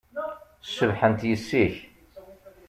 Cebḥent yessi-k.